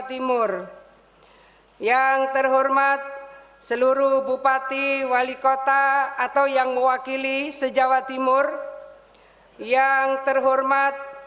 timur yang terhormat seluruh bupati wali kota atau yang mewakili sejawa timur yang terhormat